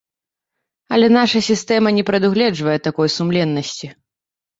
Але наша сістэма не прадугледжвае такой сумленнасці.